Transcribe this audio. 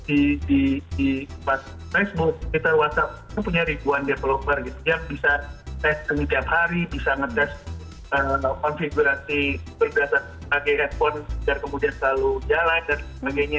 tapi di facebook twitter whatsapp itu punya ribuan developer gitu yang bisa tes kemari tiap hari bisa nge dash konfigurasi berdasarkan pakai handphone dan kemudian selalu jalan dan sebagainya